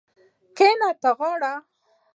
کښېنه تاغاره